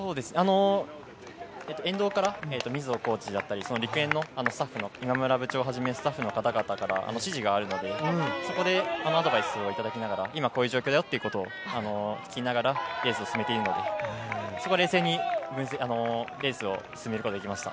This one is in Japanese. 沿道からコーチだったり、陸連のコーチから指示があるので、そこでアドバイスをいただきながら、今、こういう状況だよということを聞きながらレースを進めているのでそこは冷静にレースを進めることができました。